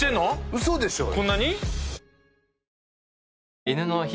ウソでしょうよ